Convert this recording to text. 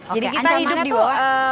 jadi kita hidup di bawah